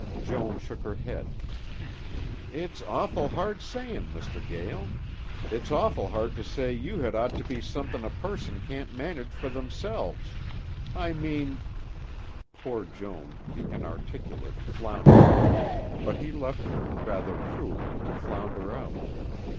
Joan shook her head. "It's a awful hard sayin', Mr. Gael. It's awful hard to say you had ought to be somethin' a person can't manage for themselves. I mean " poor Joan, the inarticulate, floundered, but he left her, rather cruelly, to flounder out.